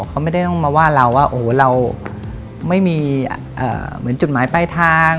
เขาไม่ได้มาว่าเราไม่มีเหมือนจุดหมายปลายทาง